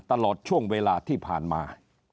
ตลอดช่วงเวลาที่ผ่านมา